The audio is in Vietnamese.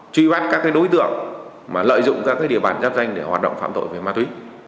truy bắt các đối tượng lợi dụng các địa bàn giáp danh để hoạt động phạm tội về ma túy